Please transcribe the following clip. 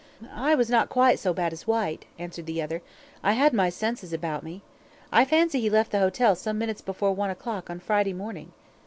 "I was not quite so bad as Whyte," answered the other. "I had my senses about me. I fancy he left the hotel some minutes before one o'clock on Friday morning."